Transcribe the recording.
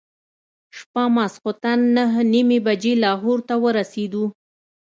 شپه ماخوستن نهه نیمې بجې لاهور ته ورسېدو.